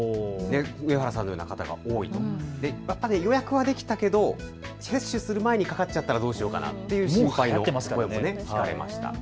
上原さんのような方が多い、予約はできたけど接種する前にかかったらどうしようかという心配の声も聞かれました。